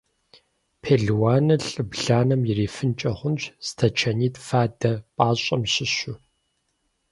Пелуану лӀы бланэм ирифынкӀэ хъунщ стачанитӀ фадэ пӀащӀэм щыщу.